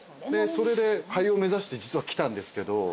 それで俳優を目指して実は来たんですけど。